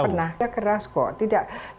karena kami tidak pernah kita keras kok